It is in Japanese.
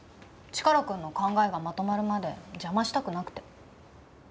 チカラくんの考えがまとまるまで邪魔したくなくて。